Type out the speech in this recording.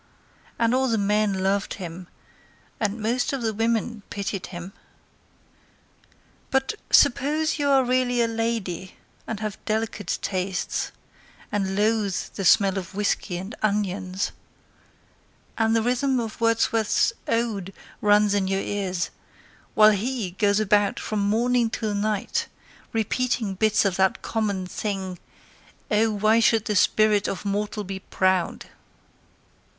And all the men loved him, And most of the women pitied him. But suppose you are really a lady, and have delicate tastes, And loathe the smell of whiskey and onions, And the rhythm of Wordsworth's "Ode" runs in your ears, While he goes about from morning till night Repeating bits of that common thing; "Oh, why should the spirit of mortal be proud?"